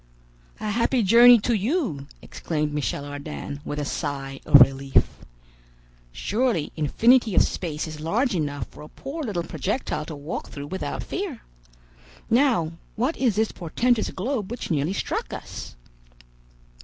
"A happy journey to you," exclaimed Michel Ardan, with a sigh of relief. "Surely infinity of space is large enough for a poor little projectile to walk through without fear. Now, what is this portentous globe which nearly struck us?"